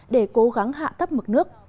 để cố gắng hạ thấp mực nước